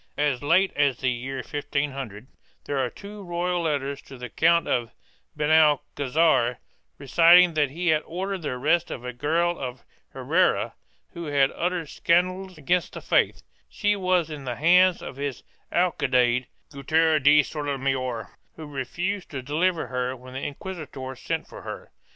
As late as the year 1500 there are two royal letters to the Count of Benalcazar reciting that he had ordered the arrest of a girl of Herrera who had uttered scandals against the faith; she was in the hands of his alcaide, Gutierre de Sotomayor, who refused to deliver her when the inquisitor sent for her.